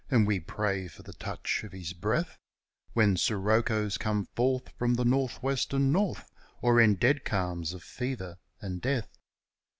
And we pray for the touch of his breath When siroccos come forth from the Xor' \\ est =, r >^^. f and North. ~~ Or in dead calms of fever and death.